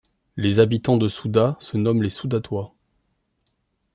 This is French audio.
Les habitants de Soudat se nomment les Soudatois.